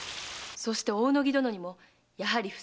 そして大野木殿にもやはり不正の疑いが。